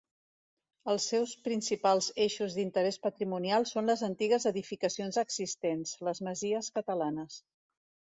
Els seus principals eixos d’interès patrimonial són les antigues edificacions existents: les masies catalanes.